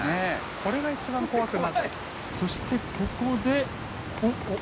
これが一番怖く。